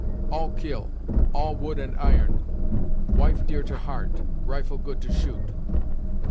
"All kill; all wood and iron. Wife dear to heart; rifle good to shoot."